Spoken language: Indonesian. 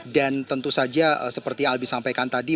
dan tentu saja seperti albi sampaikan tadi